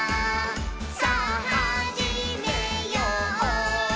さぁはじめよう」